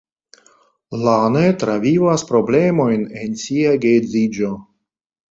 Lane travivas problemojn en sia geedziĝo.